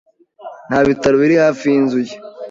Nta bitaro biri hafi y'inzu ye.